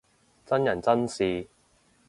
真人真事